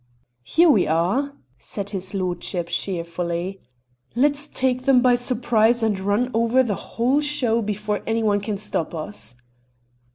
"Here we are," said his lordship cheerfully. "Let's take them by surprise and run over the whole show before any one can stop us."